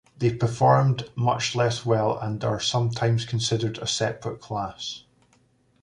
They performed much less well, and are sometimes considered a separate class.